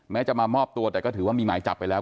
จะมามอบตัวแต่ก็ถือว่ามีหมายจับไปแล้ว